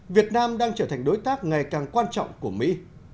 việt nam đang trở thành đối tác ngày càng quan trọng của mỹ